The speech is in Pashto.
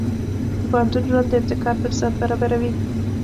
د پوهنتون ژوند د ابتکار فرصت برابروي.